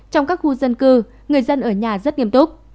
trong các khu dân cư người dân ở nhà rất nghiêm túc